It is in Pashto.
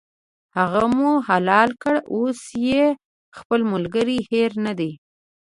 هغه مو حلال کړ، اوس یې خپل ملګری هېر نه دی.